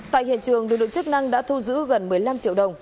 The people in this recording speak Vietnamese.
tại hiện trường đối tượng chức năng đã thu giữ gần một mươi năm triệu đồng